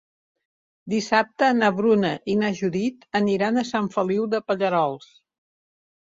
Dissabte na Bruna i na Judit aniran a Sant Feliu de Pallerols.